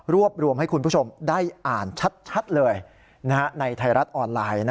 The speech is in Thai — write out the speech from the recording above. รวบรวมให้คุณผู้ชมได้อ่านชัดเลยในไทยรัฐออนไลน์